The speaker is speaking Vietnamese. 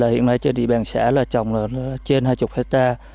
hiện nay trên địa bàn xã là trồng trên hai mươi hectare